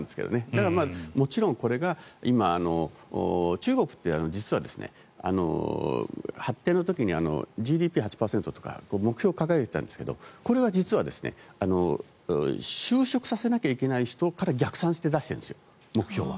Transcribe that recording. だから、もちろんこれが今、中国って実は発展の時にＧＤＰ８％とか目標を掲げていたんですがこれは実は就職させなきゃいけない人から逆算して出しているんですよ目標は。